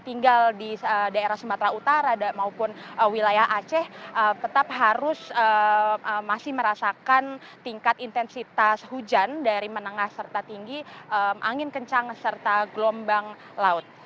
tinggal di daerah sumatera utara maupun wilayah aceh tetap harus masih merasakan tingkat intensitas hujan dari menengah serta tinggi angin kencang serta gelombang laut